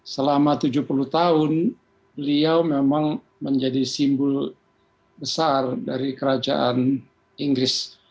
selama tujuh puluh tahun beliau memang menjadi simbol besar dari kerajaan inggris